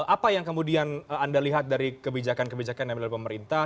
apa yang kemudian anda lihat dari kebijakan kebijakan yang dilakukan pemerintah